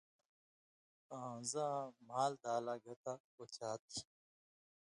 آں زاں مھال دالہ گتہ (اُتھیا تھی)؟